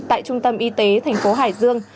tại trung tâm y tế thành phố hải dương